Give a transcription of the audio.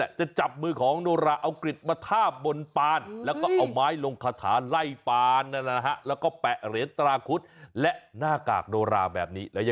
ปลาดำปลาแดงยังไงมันก็ต้องติ่งอยู่บนใบหน้า